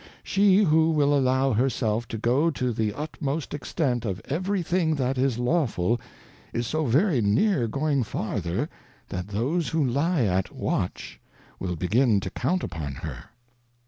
She who will allow her self to go to the utmost Extent of every thing that is Lawful, is so very near going farther, that those who lie at watch, will begin to count upon her.